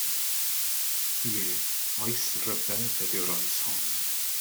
Ie, oes ryfedd ydyw'r oes hon.